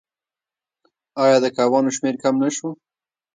آیا د کبانو شمیر کم نشو؟